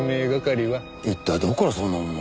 一体どこからそんなものを。